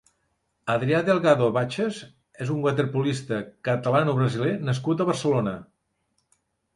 Adrià Delgado Baches és un waterpolista catalano-brasiler nascut a Barcelona.